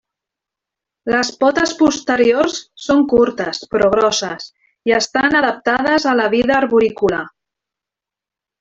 Les potes posteriors són curtes però grosses i estan adaptades a la vida arborícola.